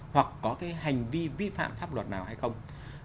hoặc có cái hành vi vi phạm pháp luật nào hay không